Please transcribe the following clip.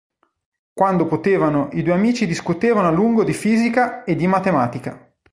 Quando potevano i due amici discutevano a lungo di fisica e di matematica.